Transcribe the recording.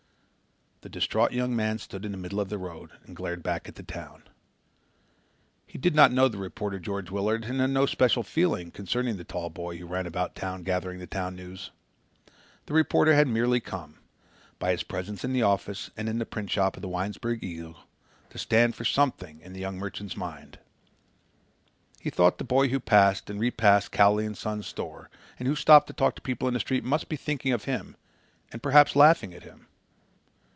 The distraught young man stood in the middle of the road and glared back at the town. He did not know the reporter George Willard and had no special feeling concerning the tall boy who ran about town gathering the town news. The reporter had merely come, by his presence in the office and in the printshop of the Winesburg Eagle, to stand for something in the young merchant's mind. He thought the boy who passed and repassed Cowley & Son's store and who stopped to talk to people in the street must be thinking of him and perhaps laughing at him.